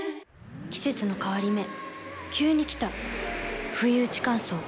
季節の変わり目急に来たふいうち乾燥。